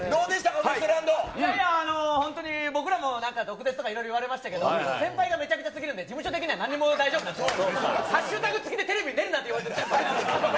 ウエストラン本当に僕らも毒舌とか、いろいろ言われましたけど、先輩がめちゃめちゃすぎるんで、事務所的にはなんにも大丈夫なんで、ハッシュタグ付きでテレビに出るなって言われてますからね。